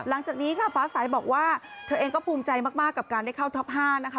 หลังจากนี้ค่ะฟ้าสายบอกว่าเธอเองก็ภูมิใจมากกับการได้เข้าท็อป๕นะคะ